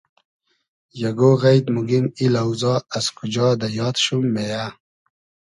یئگۉ غݷد موگیم ای لۆزا از کوجا دۂ یاد شوم مېیۂ